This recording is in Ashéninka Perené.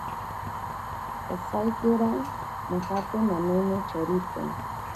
Osaikira nojate namene chorito.